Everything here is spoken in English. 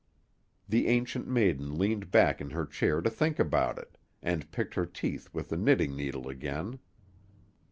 The Ancient Maiden leaned back in her chair to think about it, and picked her teeth with the knitting needle again.